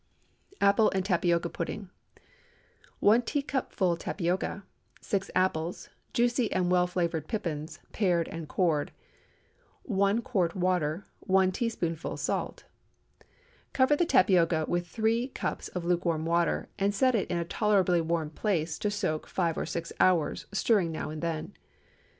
APPLE AND TAPIOCA PUDDING. ✠ 1 teacupful tapioca. 6 apples—juicy and well flavored pippins—pared and cored. 1 quart water. 1 teaspoonful salt. Cover the tapioca with three cups of lukewarm water, and set it in a tolerably warm place to soak five or six hours, stirring now and then.